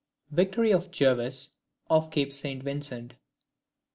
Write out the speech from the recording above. Victory of Jervis, off Cape St. Vincent.